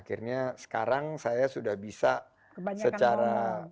akhirnya sekarang saya sudah bisa secara